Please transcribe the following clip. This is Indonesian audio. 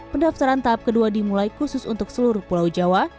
pendaftaran tahap kedua dimulai khusus untuk seluruh pulau jawa